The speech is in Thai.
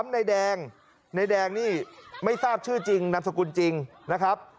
นายแดงนายแดงนี่ไม่ทราบชื่อจริงนามสกุลจริงนะครับ